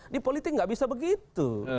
di politik nggak bisa begitu